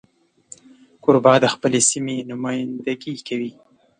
کوربه د خپلې سیمې نمایندګي کوي.